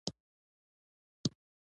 الوتکه د اړیکو پراختیا لامل ده.